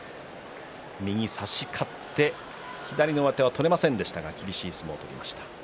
右差し勝って左の上手は取れませんでしたが厳しい相撲を取りました。